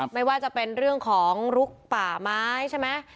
ไม่ว่าจะเป็นเรื่องของลุกป่าไม้ใช่ไหม